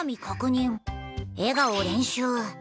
笑顔練習。